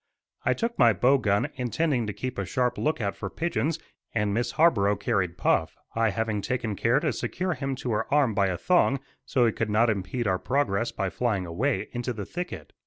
I took my bow gun, intending to keep a sharp lookout for pigeons, and Miss Harborough carried Puff, I having taken care to secure him to her arm by a thong so he could not impede our progress by flying away into the thicket.